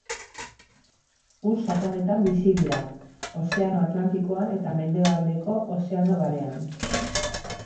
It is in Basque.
Ur sakonetan bizi dira, Ozeano Atlantikoan eta mendebaldeko Ozeano Barean.